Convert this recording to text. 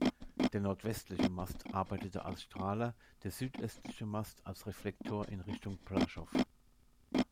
Der nordwestliche Mast arbeitete als Strahler, der südöstliche Mast als Reflektor in Richtung Brașov.